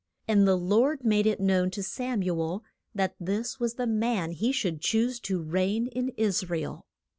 And the Lord made it known to Sam u el that this was the man he should choose to reign in Is ra el.